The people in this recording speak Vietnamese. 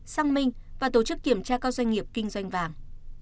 xăng minh và tổ chức kiểm tra các doanh nghiệp kinh doanh vàng